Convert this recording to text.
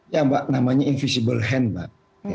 ya mbak namanya invisible hand mbak